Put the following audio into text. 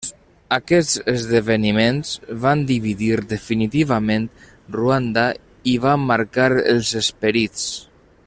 Aquests esdeveniments van dividir definitivament Ruanda i van marcar els esperits.